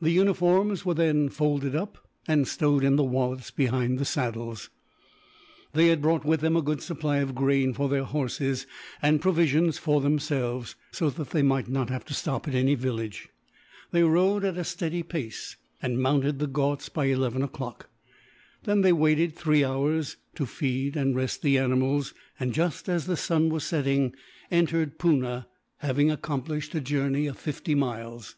The uniforms were then folded up, and stowed in the wallets behind the saddles. They had brought with them a good supply of grain for their horses, and provisions for themselves; so that they might not have to stop at any village. They rode at a steady pace, and mounted the Ghauts by eleven o'clock. Then they waited three hours, to feed and rest the animals and, just as the sun was setting, entered Poona, having accomplished a journey of fifty miles.